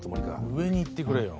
上に言ってくれよ